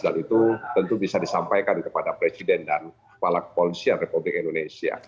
dan itu tentu bisa disampaikan kepada presiden dan kepala kepolisian republik indonesia